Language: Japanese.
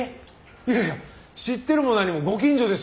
いやいや知ってるも何もご近所ですよ。